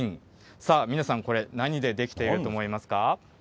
さあ、皆さん、これ何で出来ていると思いますか？